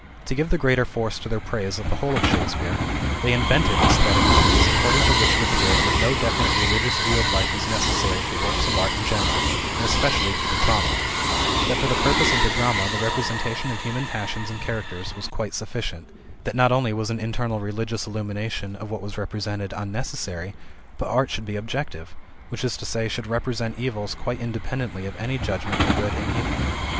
To give the greater force to their praise of the whole of Shakespeare, they invented esthetic theories according to which it appeared that no definite religious view of life was necessary for works of art in general, and especially for the drama; that for the purpose of the drama the representation of human passions and characters was quite sufficient; that not only was an internal religious illumination of what was represented unnecessary, but art should be objective, i.e., should represent events quite independently of any judgment of good and evil.